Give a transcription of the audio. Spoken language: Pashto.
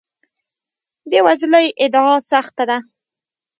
بې وزلۍ ادعا سخت ده.